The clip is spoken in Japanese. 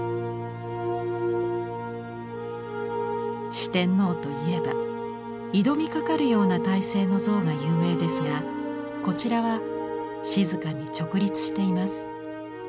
四天王といえば挑みかかるような体勢の像が有名ですがこちらは静かに直立しています。